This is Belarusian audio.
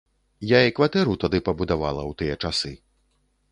Я і кватэру тады пабудавала ў тыя часы.